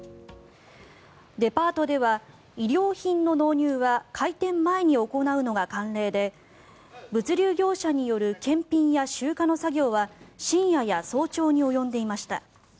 デパートでは衣料品の納入は開店前に行うのが慣例で物流業界による検品や集荷の作業は深夜や早朝に及んでいました。